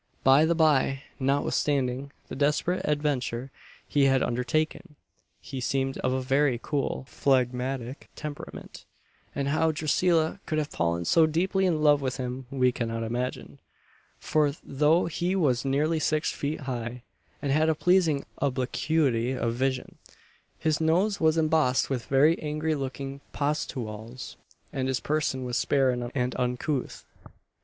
By the bye, notwithstanding the desperate adventure he had undertaken, he seemed of a very cool, phlegmatic temperament; and how Drusilla could have fallen so deeply in love with him we cannot imagine; for, though he was nearly six feet high, and had a pleasing obliquity of vision, his nose was embossed with very angry looking pustules, and his person was spare and uncouth.